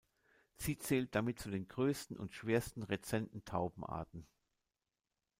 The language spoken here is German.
Sie zählt damit zu den größten und schwersten rezenten Taubenarten.